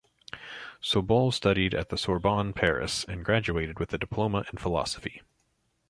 Sobol studied at the Sorbonne, Paris, and graduated with a diploma in philosophy.